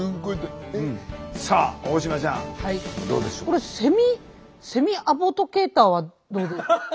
これセミセミアドボケイターはどうでしょう？